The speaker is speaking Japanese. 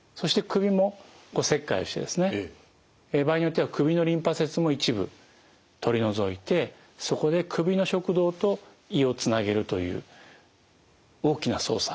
場合によっては首のリンパ節も一部取り除いてそこで首の食道と胃をつなげるという大きな操作